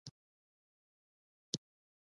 تاته حورې اوغلمان باندې لیکمه